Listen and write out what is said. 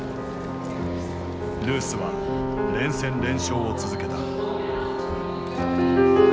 ルースは連戦連勝を続けた。